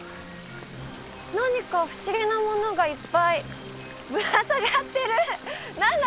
何か不思議なものがいっぱいぶら下がってる何だ？